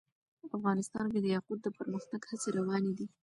افغانستان کې د یاقوت د پرمختګ هڅې روانې دي.